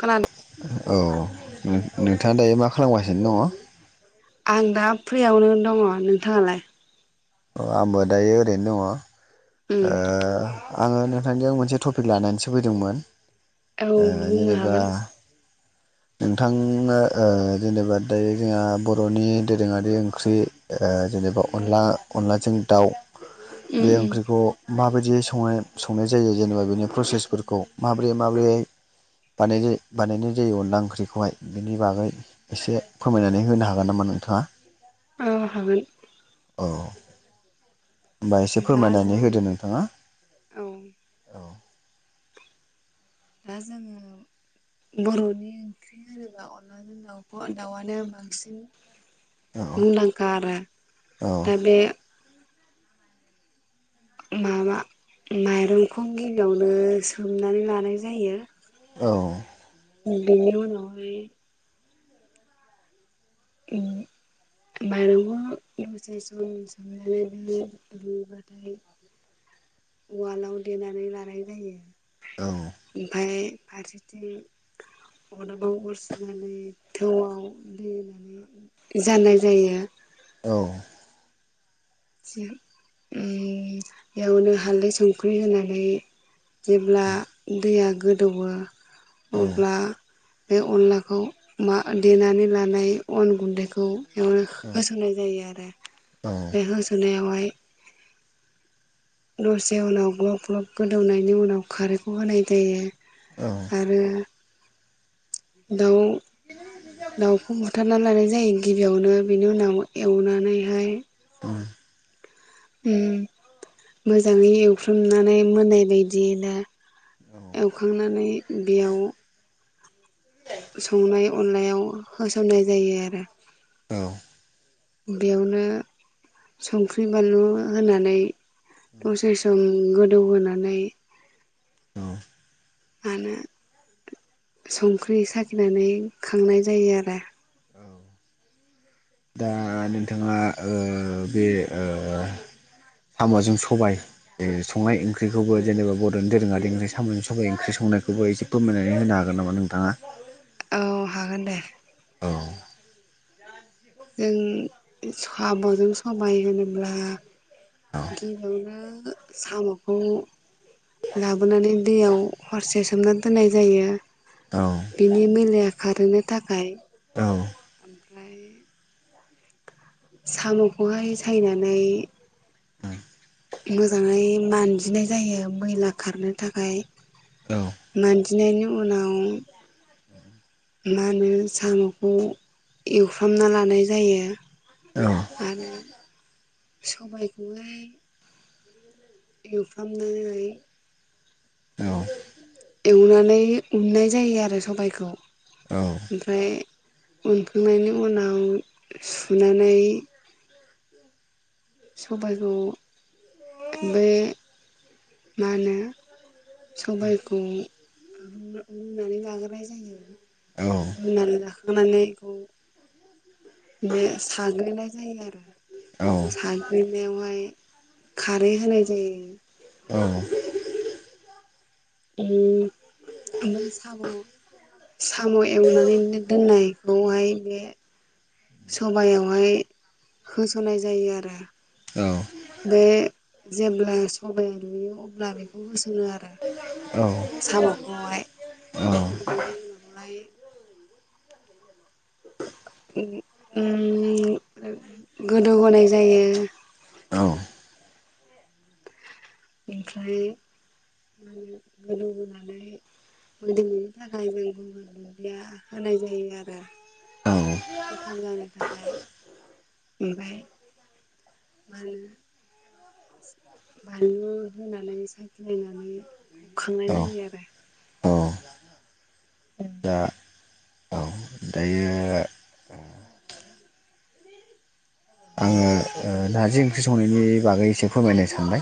खोनादों औ नोंथाङा दायो मा खालामगासिनो दङ? आं दा फ्रियावनो दङ नोंथाङालाय? औ आंबो दायो ओरैनो दङ। उम आङो नोंथांजों मोनसे टपिक लानानैसो फैदोंमोन औ बुंनो हागोन। नोंथां ओ जेनेबा दायो जोंहा बर'नि दोरोङारि ओंख्रि ओ जेनेबा अनला अनलाजों दाउ उम उम खौ माबायदियै संनाय संनाय जायो जेनेबा बेनि प्रसेसफोरखौ माबोरै माबोरैहाय बानायनाय जायो अनला ओंख्रिखौहाय बेनि बागै एसे फोरमायनानै होनो हागोन नामा नोंथांङा? अ हागोन औ होमबा एसे दा फोरमायनानै जोङो होदो नोंथांङा औ औ दा जोङो बर'नि ओंख्रि होनोबा अनलाजों दाउखौ दाउआनो बांसिन मुंदांखा आरो दा बे माबा माइरंखौ गिलावनो सोमनानै लानाय जायो। औ बिनि उनाव हाय ओम माइरंखौ दसे सम सोमनानै बेदि रुैबाथाय उवालाव देनानै लानाय जायो। ओमफफ्राय फारसेथिं अदाबाव अरसुनानै थौआव दैहोना जाननाय जायो। औ ओम बेयावनो हाल्दै संख्रि होनानै जेब्ला दैया गोदौआ अब्ला बे अनलाखौ मा देनानै लानाय अन गुन्दैखौ यावना होसंनाय जायो आरो होनायावहाय दसे उनाव ग्लब ग्लब गोदौनायनि उनाव खारैखौ होनाय जायो। आरो दाउ दाउखौ बुथारना लानाय जायो गिबियावनो बिनि उनाव एवनानैहाय उम ओम मोजाङै एवफ्रामनानै मोनाय बायदिनो एवखांनानै बेयाव संनाय अनलायाव होसननाय जायो आरो औ बेयावनो संख्रि बानलु होनानै दसे सम गोदौ होनानै मानो संख्रि साखिनानै खांनाय जायो आरो औ दा नोंथाङा ओ बे ओ सामजों सबाय संनाय ओंख्रिखौबो जेनेबा बर'नि दोरोङारि ओंख्रि सामजों सबाइ ओंख्रि संनायखौबो एसे फोरमायनानै होनो हागोन नामा नोंथाङा। औ हागोन दे। औ जों सामजों सबाइ होनोब्ला गिबियावनो सामखौ लाबो नानै दैयाव हरसे सोमना दोननाय जायो। औ । बिनि मैलाया खारहोनो थाखाय औ । ओमफ्राय साम खौहाय सायनानै औ । मोजाङै मान्जिनाय जायो मैला खारनो थाखाय मान जिनायनि उनाव [inaudible] सामखौ एवफ्रामना लानाय जायो आरो सबाय खौहाय एवफ्राम नानै औ । एवनानै उननाय जायो आरो सबायखौ । ओमफ्राय उनखांनायनि उनाव सुनानै सबायखौ बे मा होनो सबायखौ रूना-रुनानै लाग्रोनाय जायो रुनानै लाखांनानै बे बे साग्लिनाय जायो आरो साग्लिनायावहाय खारै होनाय जायो । उम ओमफ्रायसो साम साम एवनानैनो दोननायखौहाय बे सबायावहाय होसननाय जायो आरो । बे जेब्ला सबाइ रुयो अब्ला बेखौ होसनो आरो सामखौहाय बेनि उनावहाय [unintelligible] गोदौ होनाय जायो ओमफ्राय मा होनो गोदौ होनोनानै मोदोमनायनि थाखाय जों गंगार दुनदिया होनाय जायो आरो गोथाव जानो थाखाय ओमफ्राय मा होनो बानलु होनानै साखिलायनानै खांनाय जायो आरो । औ दा [inaudible] औ दायो आङो ओ नारजि ओंख्रि संनायनि बागै एसे फोरमायनो सानबाय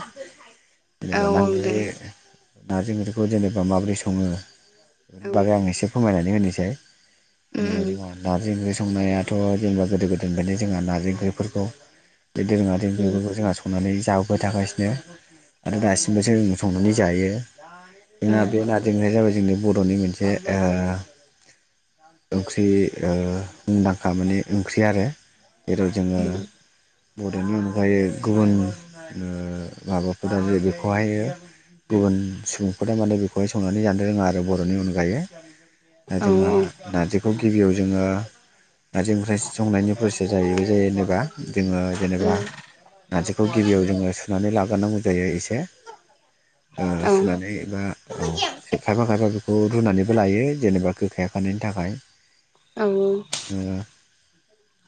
। औ औ दे [unintelligible] नारजि ओंख्रिखौ जेनेबा माबोरै सङो बेनि औ बागै आं उम एसे फोरमायनानै नै होनिसै जेनेबा उम जोंहा नारजि ओंख्रै संनायाथ जेनेबा गोदो गोदायनिफ्रायनो जोंहा नारजि ओंख्रिफोरखौ बे दोरोङारि उम ओंख्रिफोरखौ जोंहा संनानै जाबोबाय थागासिनो आरो औ उम दासिमबो सो संनानै जायो। जोंना बे नारजि ओंख्रिया जाबाय जोंनि बर'नि मोनसे ओ ओंख्रि ओ मुंदांखा माने ओंख्रि आरो जेराव जोङो उम बर'नि अनगायै गुबुन ओ माबाफोर जे बेखौहाय गुबुन सुबुंफोरा माने बेखौहाय संनानै जानो रोङा आरो बर'नि अनगायै दा औ उम औ जोंहा उम नारजिखौ गिबियाव जोङो नारजि ओंख्रि संनायनि फ्रसेसा [unintelligible] जायो बा। जोङो जेनेबा उम नारजिखौ गिबियाव जोङो सुनानै ला गारनांगौ जायो एसे। से ओ सुनानै बा [unintelligible] खायफा खायफा बेखौ रुनानैबो लायो जेनेबा गोखाया खारनायनि थाखाय औ औ। ओ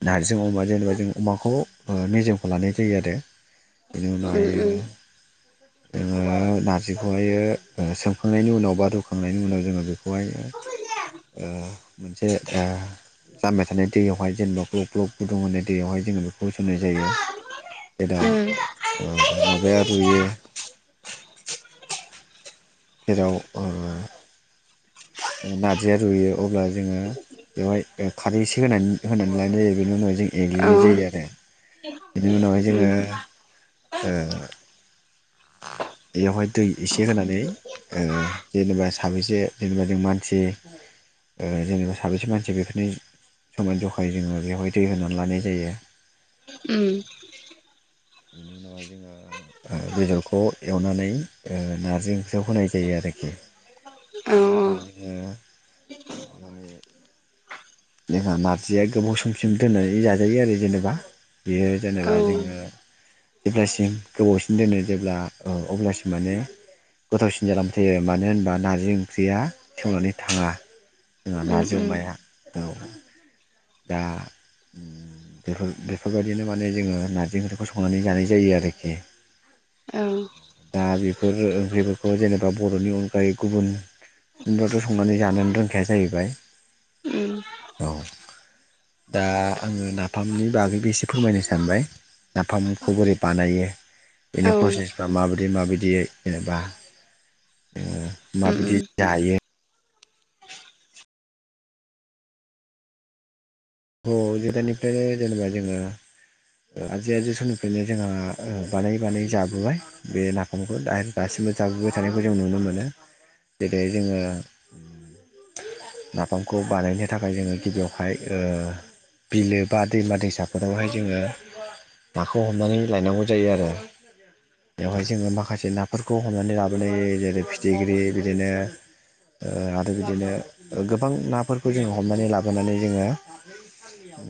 नारजिजों अमा जेनेबा जों अमाखौ ओ मेजेमखौ लानाय जायो आरो। बेनि उनावहायो। जोङो नारजिखौहायो ओ सोमखांनायनि उनाव बा रुखांनायनि उनाव जोङो बे खौहायो ओ जे आ जाम्बाय थानाय दैयावहाय जेनेबा ग्लब ग्लब गुदुं होननाय दैयावहाय जोङो बे होसोननाय जायो जेराव ओ माबाया रुयो जेराव ओ नार्जिया रुयो अब्ला जोङो बेवहाय खारै एसे होनानै होनानै लानाय जायो बेनि उनाव जों एग्लिनाय उम औ जायो आरो उम बिनि उनावहाय जोङो ओ बेवहाय दै एसे होनानै ओ जेनेबा साबसे जेनेबा जों मानसि जेनेबा साबेसे मानसि बेफोरनि समान जखायै जोङो बेवहाय दै होनानै लानाय जायो। उम बेनि उनावहाय जोङो ओ बेदर खौ एवनानै ओ नारजि जिआव होनाय जायो आरोखि औ बिब्लाबो जोङो माने जोंहा नार्जिया गोबाव समसिम दोननानै जाजायो आरो जेनेबा बियो जेनेबा औ जोङो जेब्लासिम गोबावसिन दोनो जेब्ला अब्लासिम माने गोथावसिन जालांबाय थायो मानो होनबा नार्जि ओंख्रिया सेवनानै थाङा। जोंहा उम नारजि उम अमाया। औ। दा बेफोर बेफोरबायदिनो माने जोङो नारजि ओंख्रिखौ संनानै जानाय जायो आरोखि औ दा बे ओहो जेबोखौनो जेनेबा बर'नि अनगायै गुबुनबोथ' संनानै जानोनो रोंखाया जाहैबाय उम औ दा आङो नाफामनि बागैबो एसे फोरमायनो सानबाय नाफामखौ बोरै बानायो बेनि औ उम प्रसेसफ्रा माबायदि माबायदि जेनेबा ओ उम माबायदि जायो थ जेदानिफ्रायनो जेनेबा जोङो ओ आजै आजौ समनिफ्रायनो जोंहा ओ बानायै बानायै जाबोबाय बे नाफामखौ दा दासिमबो जाबोबाय थानायखौ जों नुनो मोनो जेरै जोङो नाफामखौ बानायनो थाखाय जोङो गिबियावहाय ओ बिलो बा दैमा दैसाफोरावहाय जोङो नाखौ हमनानै लायनांगौ जायो आरो बेवहाय जोङो माखासे नाफोरखौ हमनानै लाबोनाय जेरै फिथिख्रि बिदिनो ओ आरो बिदिनो गोबां नाफोरखौ जोङो हमनानै लाबोनानै जोङो [inaudible]